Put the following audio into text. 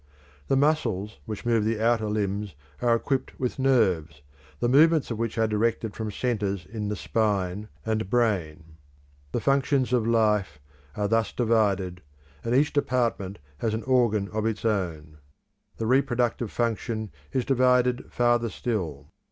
The muscles which move the outer limbs are equipped with nerves, the movements of which are directed from centres in the spine and brain. The functions of life are thus divided, and each department has an organ of its own. The reproductive function is divided farther still.